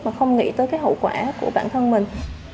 mà không nghĩ tới cái hậu quả của bản thân mình